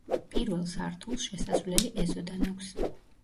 პირველ სართულს შესასვლელი ეზოდან აქვს.